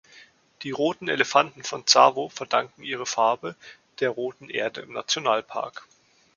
Die „roten Elefanten vom Tsavo“ verdanken ihrer Farbe der roten Erde im Nationalpark.